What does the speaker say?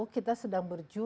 kita sedang berjuang